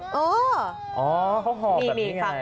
อ๋อเขาหอบแบบนี้ไง